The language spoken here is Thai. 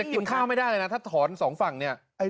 มันจะกินข้าวไม่ได้นะถ้าถอนสองฝั่งนี่